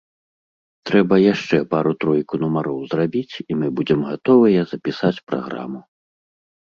Трэба яшчэ пару-тройку нумароў зрабіць і мы будзем гатовыя запісаць праграму.